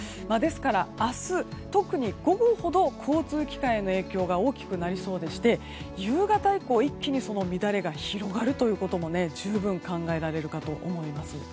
ですから、明日特に午後ほど交通機関への影響が大きくなりそうでして夕方以降、一気に乱れが広がるということも十分考えられるかと思います。